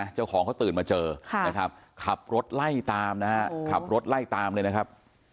เจ้าของเขาตื่นมาเจอนะครับขับรถไล่ตามนะฮะขับรถไล่ตามเลยนะครับ